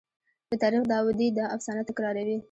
د تاریخ داودي دا افسانه تکراروي.